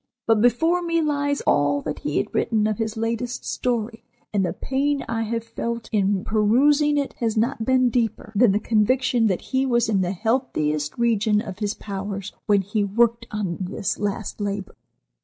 But before me lies all that he had written of his latest story, and the pain I have felt in perusing it has not been deeper than the conviction that he was in the healthiest region of his powers when he worked on this last labor.